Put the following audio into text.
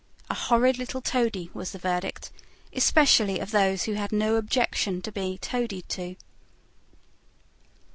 A horrid little toady was the verdict; especially of those who had no objection to be toadied to.